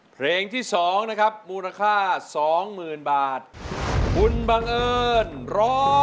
เพลงที่สองนะครับมูลค่าสองหมื่นบาทคุณบังเอิญร้อง